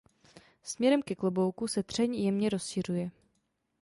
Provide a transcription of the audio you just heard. Směrem ke klobouku se třeň jemně rozšiřuje.